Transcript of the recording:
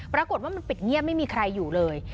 ปรากฏว่ามันปิดเงียบไม่มีใครอยู่เลย